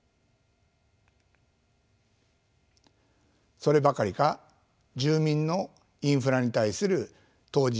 そればかりか住民のインフラに対する当事者意識が芽生え